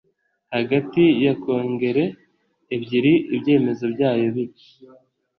hagati ya kongere ebyiri ibyemezo byayo biba